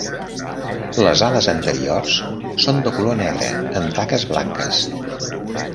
Les ales anteriors són de color negre amb taques blanques.